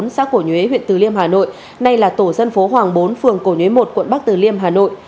xã cổ nhuế huyện từ liêm hà nội nay là tổ dân phố hoàng bốn phường cổ nhuế một quận bắc từ liêm hà nội